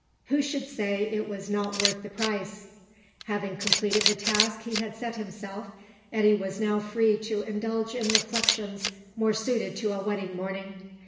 Who should say it was not worth the price? Having completed the task he had set himself, Eddy was now free to indulge in reflections more suited to a wedding morning.